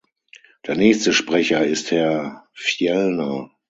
Der nächste Sprecher ist Herr Fjellner.